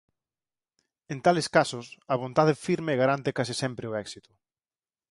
En tales casos, a vontade firme garante case sempre o éxito.